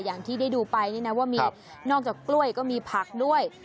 อย่างที่ได้ดูไปนี่นะว่ามีนอกจากกล้วยก็มีผักด้วย